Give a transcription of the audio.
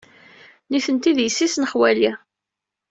Nitenti d yessi-s n xwali.